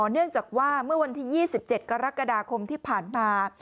เนื่องจากว่าเมื่อวันที่๒๗กรกฎาคมที่ผ่านมา